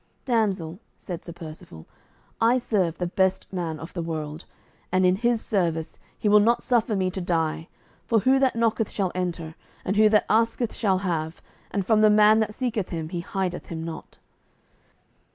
"Damsel," said Sir Percivale, "I serve the best man of the world, and in His service He will not suffer me to die, for who that knocketh shall enter, and who that asketh shall have, and from the man that seeketh Him, He hideth Him not."